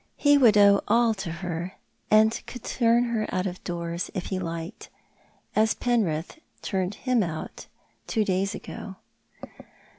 He would owe all to her, and could turn her out of doors if he liked — as Penrith turned him out two days ago.